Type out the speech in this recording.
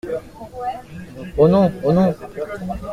Oh non ! oh non !